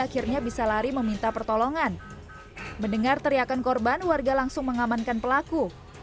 akhirnya bisa lari meminta pertolongan mendengar teriakan korban warga langsung mengamankan pelaku